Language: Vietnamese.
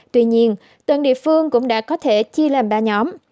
tuy nhiên toàn địa phương cũng đã có thể chia làm ba nhóm